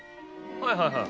はいはいはい。